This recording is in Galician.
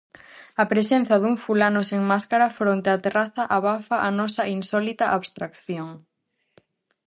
A presenza dun fulano sen máscara fronte á terraza abafa a nosa insólita abstracción.